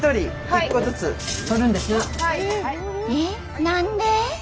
えっ？何で？